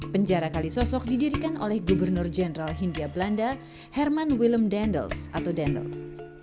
penjara kalisosok didirikan oleh gubernur jenderal hindia belanda herman willem dendels atau dendels